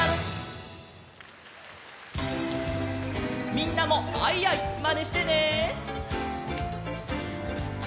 みんなもアイアイまねしてね！